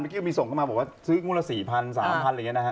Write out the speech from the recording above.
เมื่อกี้มีส่งเข้ามาบอกว่าซื้องวลละ๔๐๐๐๓๐๐๐บาท